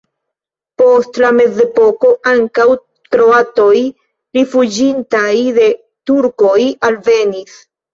Post la mezepoko ankaŭ kroatoj rifuĝintaj de turkoj alvenis.